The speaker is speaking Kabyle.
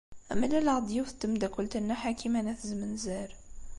Mlaleɣ-d yiwet n tmeddakelt n Nna Ḥakima n At Zmenzer.